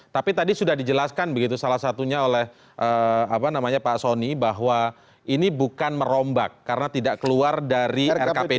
tapi tadi sudah dijelaskan begitu salah satunya oleh pak soni bahwa ini bukan merombak karena tidak keluar dari rkpd